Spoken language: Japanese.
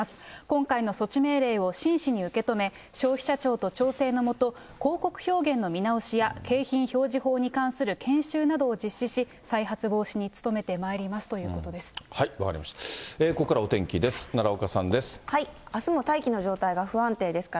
今回の措置命令を真摯に受け止め、消費者庁との調整のもと、広告表現の見直しや景品表示法に関する研修などを実施し、再発防止に努めてまいりますということです。